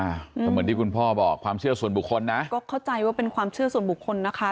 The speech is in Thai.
เหมือนที่คุณพ่อบอกความเชื่อส่วนบุคคลนะก็เข้าใจว่าเป็นความเชื่อส่วนบุคคลนะคะ